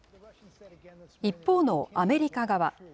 一方のアメリカ側。